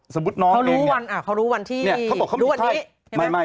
เขารู้วันที่